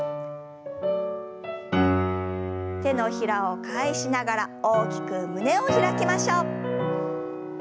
手のひらを返しながら大きく胸を開きましょう。